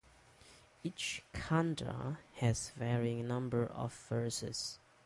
Each "Khanda" has varying number of verses.